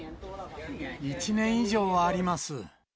１年以上はあります。